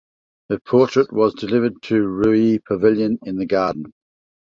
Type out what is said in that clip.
Her portrait was delivered to Ruyi Pavilion in the garden.